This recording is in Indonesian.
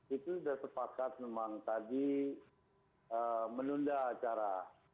itu sudah sepakat memang tadi menunda acara